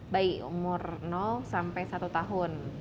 bayi umur sampai satu tahun